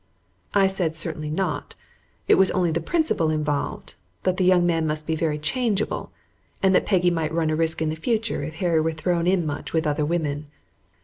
I said, "Certainly not." It was only the principle involved; that the young man must be very changeable, and that Peggy might run a risk in the future if Harry were thrown in much with other women.